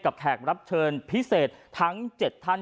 แขกรับเชิญพิเศษทั้ง๗ท่าน